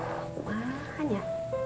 kayaknya mah aduh mahaanya